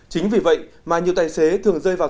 chính vì vậy mà nhiều tài xế thường rơi vào